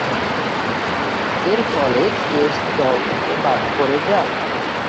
এরফলে টেস্ট দল থেকে বাদ পড়ে যান।